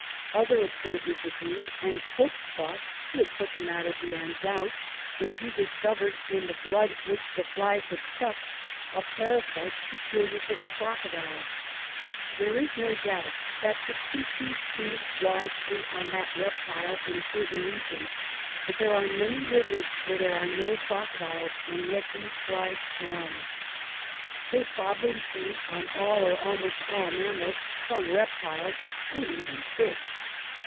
Other observers agreed, and Koch thought he had put the matter beyond doubt when he discovered in the blood which the flies had sucked a parasite peculiar to the crocodile. There is no doubt that the tsetse feed largely on that reptile in certain regions, but there are many rivers where there are no crocodiles, and yet these flies swarm. They probably feed on all or almost all mammals, some reptiles, and even fish.